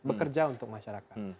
bekerja untuk masyarakat